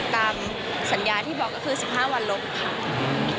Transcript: ตามสัญญาที่บอกก็คือ๑๕วันลบค่ะ